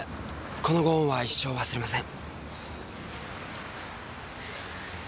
このご恩は一生忘れません。